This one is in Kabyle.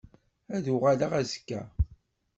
Ad d-uɣaleɣ azekka.